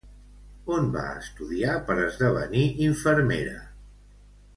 On va estudiar per esdevenir infermera?